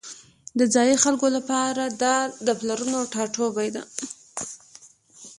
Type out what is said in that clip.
د ځایی خلکو لپاره دا د پلرونو ټاټوبی دی